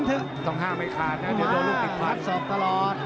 เจ้าห้ามไม่ขล้าคาดส่อมตลอด